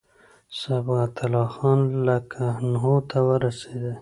صبغت الله خان لکنهو ته ورسېدی.